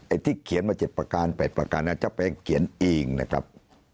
ไอ้ที่เขียนมา๗ประการ๘ประการเนี่ยเจ้าแป้งเขียนเองนะครับ